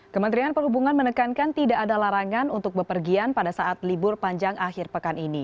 kementerian perhubungan menekankan tidak ada larangan untuk bepergian pada saat libur panjang akhir pekan ini